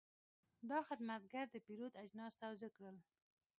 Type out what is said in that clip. دا خدمتګر د پیرود اجناس توضیح کړل.